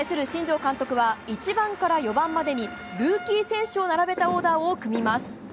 新庄監督は１番から４番までにルーキー選手を並べたオーダーを組みます。